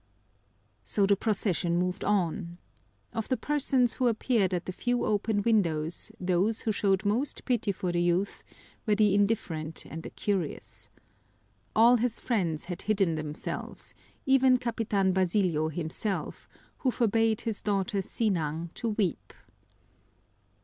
So the procession moved on. Of the persons who appeared at the few open windows those who showed most pity for the youth were the indifferent and the curious. All his friends had hidden themselves, even Capitan Basilio himself, who forbade his daughter Sinang to weep.